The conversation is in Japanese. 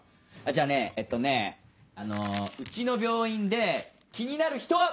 じゃあねえっとねあのうちの病院で気になる人は？